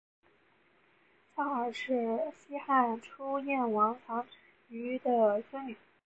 臧儿是西汉初燕王臧荼的孙女。